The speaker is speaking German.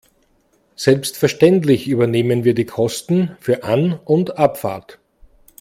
Selbstverständlich übernehmen wir die Kosten für An- und Abfahrt.